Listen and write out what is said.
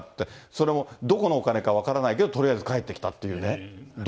それも、どこのお金か分からないけど、とりあえず返ってきたっていうね。